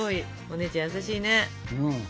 お姉ちゃん優しいね。